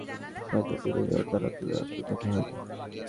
কোনো কোনো এলাকায় কৃষকদের পানিতে ডুবে যাওয়া চারা তুলে রাখতে দেখা যায়।